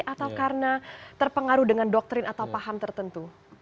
atau karena terpengaruh dengan doktrin atau paham tertentu